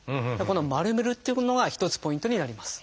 この丸めるっていうのが一つポイントになります。